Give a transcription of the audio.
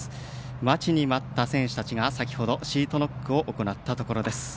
待ちに待った選手たちが先ほどシートノックを行ったところです。